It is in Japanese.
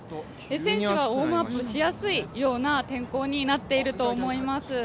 選手はウォームアップしやすいような天候になっていると思います。